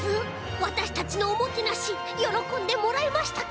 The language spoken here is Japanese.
わたしたちのおもてなしよろこんでもらえましたか？